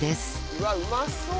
うわっうまそう！